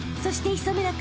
磯村君！